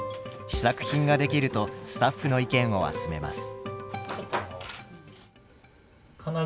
試作品が出来るとスタッフの意見を集めます。